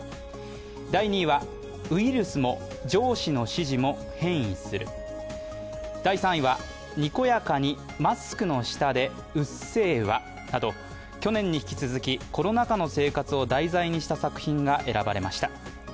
第２位は、「ウイルスも上司の指示も変異する」、第３位は、「にこやかにマスクの下で「うっせぇわ！」」など去年に引き続き、コロナ禍の生活を題材にした作品が選ばれました。